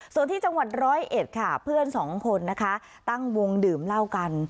ส่วนที่จังหวัดร้อยเอ็ดค่ะเพื่อนสองคนนะคะตั้งวงดื่มเหล้ากัน